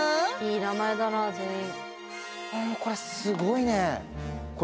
いい名前だなあ全員。